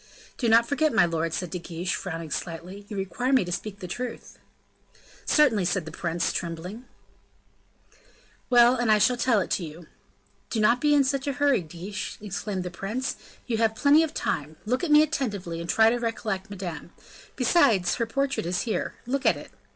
"Do not forget, my lord," said De Guiche, frowning slightly, "you require me to speak the truth." "Certainly," said the prince, tremblingly. "Well, and I shall tell it you." "Do not be in a hurry, Guiche," exclaimed the prince, "you have plenty of time; look at me attentively, and try to recollect Madame. Besides, her portrait is here. Look at it."